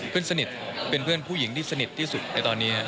เพื่อนสนิทเป็นเพื่อนผู้หญิงที่สนิทที่สุดในตอนนี้